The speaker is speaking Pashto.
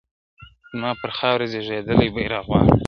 زما پر خاوره زېږېدلی بیرغ غواړم -